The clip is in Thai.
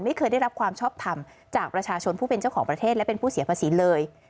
ไม่เคยได้รับความชอบทำจากประชาชนผู้เป็นเจ้าของประเทศและเป็นผู้เสียภาษีเลย